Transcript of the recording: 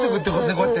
こうやって。